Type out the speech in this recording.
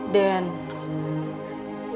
masuk dulu bu